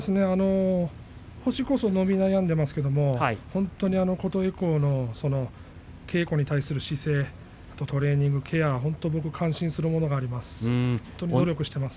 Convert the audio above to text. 星こそ伸び悩んでいますけれども本当に琴恵光の稽古に対する姿勢そしてトレーニングのケア感心するものがあります。